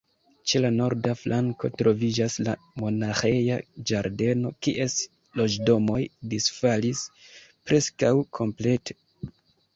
Ĉe la norda flanko troviĝas la monaĥeja ĝardeno, kies loĝdomoj disfalis preskaŭ komplete.